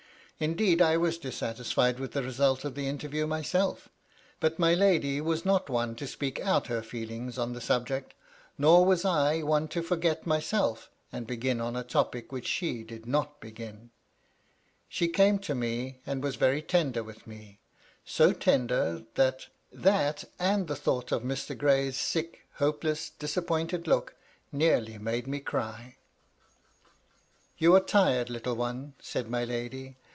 Indeed, I was dissatisfied with the result of the interview myself. But my lady was not one to speak out her feehngs on the subject ; nor was I one to forget myself,^ and begin on a topic which she did not begin. She came to me, and was very tender with me; so tender, that that, and the thoughts of Mr. Gray s sick, hopeless, disappointed look, nearly made me cry. . 240 MY LADY LUDLOW. ^^ You are tired, little one," said my lady.